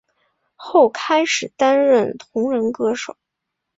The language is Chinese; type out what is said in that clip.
后开始担任同人歌手。